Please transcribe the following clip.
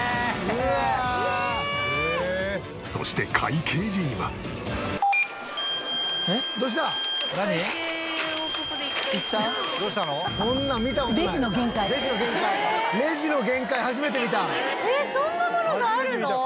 えっそんなものがあるの？